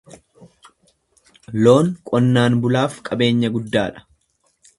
Loon qonnaan bulaaf qabeenya guddaa dha.